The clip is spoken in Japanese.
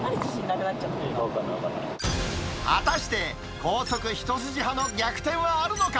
果たして、高速一筋派の逆転はあるのか。